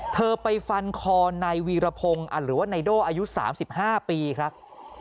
เธอไปฟันคอในวีรพงศ์หรือว่าในโด่อายุ๓๕ปีครับ